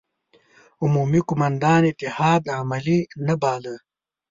عمومي قوماندان اتحاد عملي نه باله.